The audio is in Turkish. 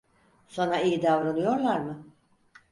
Sana iyi davranıyorlar mı?